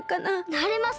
なれます！